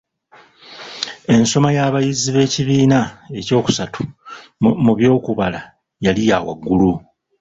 Ensoma y'abayizi b’ekibiina ekyokusattu mu by’okubala yali yawaggulu.